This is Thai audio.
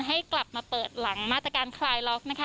ให้กลับมาเปิดหลังมาตรการคลายล็อกนะคะ